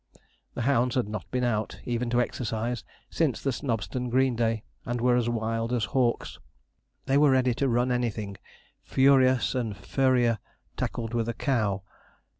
The hounds had not been out, even to exercise, since the Snobston Green day, and were as wild as hawks. They were ready to run anything. Furious and Furrier tackled with a cow.